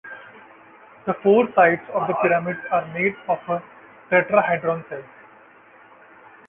The four "sides" of the pyramid are made of tetrahedron cells.